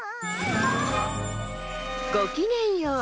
ごきげんよう。